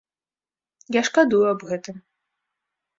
Я шкадую аб гэтым.